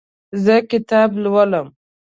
زه کتاب لولم.